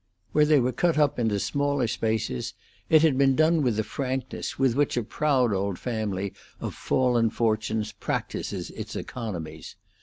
Where they were cut up into smaller spaces, it had been done with the frankness with which a proud old family of fallen fortunes practises its economies.